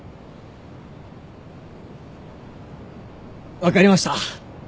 分かりました。